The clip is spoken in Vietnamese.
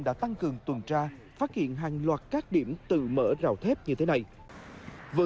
đã tăng cường tuần tra phát hiện hàng loạt các điểm tự mở rộng tăng cường phát hiện hàng loạt các điểm tự mở rộng